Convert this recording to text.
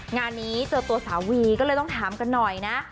งานนี้เจอตัวสาววีก็เลยต้องถามกันหน่อยนะ